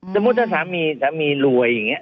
สมมุติถ้าสามีสามีรวยอย่างนี้